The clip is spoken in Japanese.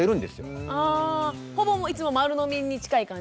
あほぼいつも丸飲みに近い感じ？